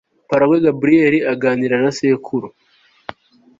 paragwe gabriel aganira na sekuru